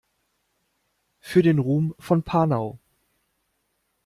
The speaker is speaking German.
Für den Ruhm von Panau!